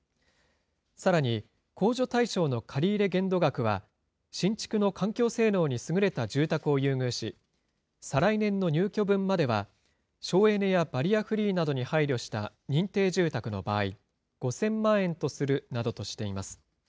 さらに、控除対象の借り入れ限度額は、新築の環境性能に優れた住宅を優遇し、再来年の入居分までは、省エネやバリアフリーなどに配慮した認定住宅の場合、５０００万円とするなどとしています。